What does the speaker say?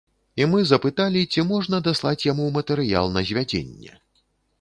І мы запыталі, ці можна даслаць яму матэрыял на звядзенне.